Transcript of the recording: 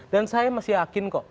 dan saya masih yakin kok